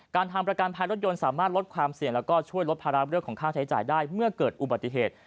การทำประกันภัยรถยนต์สามารถลดความเสี่ยงแล้วก็ช่วยลดภาระเรื่องของค่าใช้จ่ายได้เมื่อเกิดอุบัติเหตุ